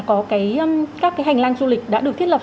có các hành lang du lịch đã được thiết lập